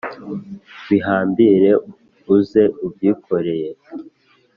Bihambire uze ubyikoreye!